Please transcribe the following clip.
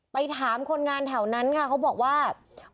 ไปถามคนงานแถวนั้นค่ะเขาบอกว่า